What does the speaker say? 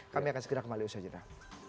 kami akan segera kembali usaha jenah